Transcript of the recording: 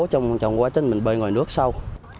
trong quá trình mình bơi ngoài nước sau